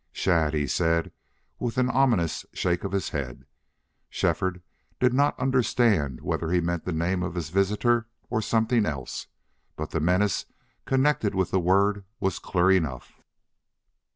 "Shadd," he said, with an ominous shake of his head. Shefford did not understand whether he meant the name of his visitor or something else, but the menace connected with the word was clear enough.